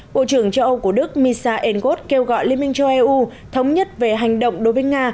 bộ trưởng châu âu của đức misha engot kêu gọi liên minh cho eu thống nhất về hành động đối với nga